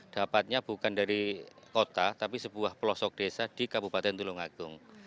dapatnya bukan dari kota tapi sebuah pelosok desa di kabupaten tulungagung